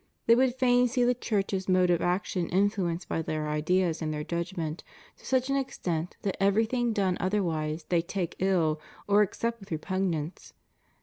They would fain see the Church's mode of action influenced by their ideas and their judgment to such an extent that everything done otherwise they take ill or accept with repugnance.